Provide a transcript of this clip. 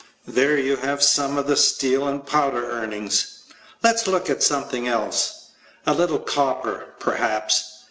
There you have some of the steel and powder earnings. Let's look at something else. A little copper, perhaps.